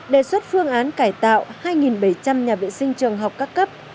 đề xuất phương án cải tạo hai bảy trăm linh nhà vệ sinh trường học các cấp